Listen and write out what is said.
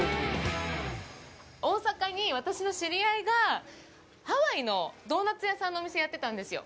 大阪に、私の知り合いがハワイのドーナツ屋さんのお店をやってたんですよ。